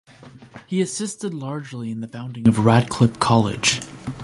He assisted largely in the founding of Radcliffe College.